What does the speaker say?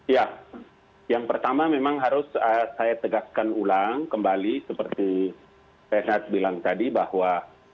ya yang pertama memang harus saya tegaskan ulang kembali seperti renat bilang tadi bahwa